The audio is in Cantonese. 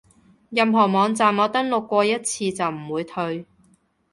任何網站我登錄過一次就唔會退